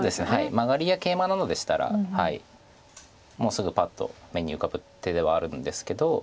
マガリやケイマなどでしたらもうすぐパッと目に浮かぶ手ではあるんですけど。